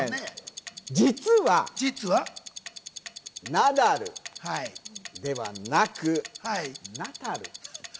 実は、ナダルではなく、ナタル。